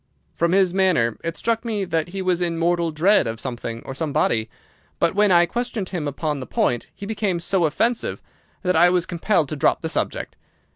From his manner it struck me that he was in mortal dread of something or somebody, but when I questioned him upon the point he became so offensive that I was compelled to drop the subject.